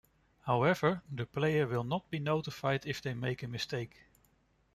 However, the player will not be notified if they make a mistake.